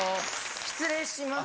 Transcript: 失礼します。